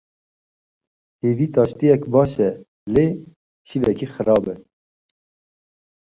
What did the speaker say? Hevî taştêyek baş e lê şîveke xerab e.